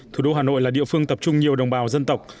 thủ đô hà nội là địa phương tập trung nhiều đồng bào dân tộc